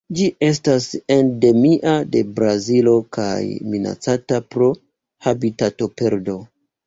Ĝi estas endemia de Brazilo kaj minacata pro habitatoperdo.